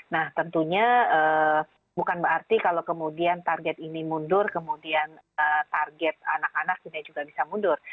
nah tentunya bukan berarti kalau kemudian target ini mundur kemudian target anak anak ini juga bisa mundur